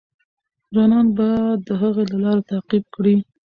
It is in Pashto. ځوانان به د هغې لار تعقیب کړي.